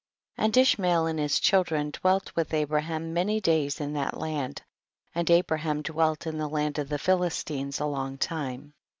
3. And Ishmael and his children dwelt with Abraham many days in tJiot land, and Abraham dwelt in the land of the Philistines a long time.